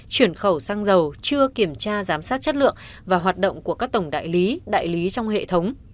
chuyển khẩu xăng dầu chưa kiểm tra giám sát chất lượng và hoạt động của các tổng đại lý đại lý trong hệ thống